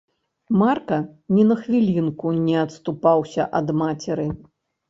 Марка ні на хвілінку не адступаўся ад мацеры.